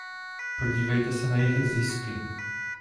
Podívejte se na jejich zisky.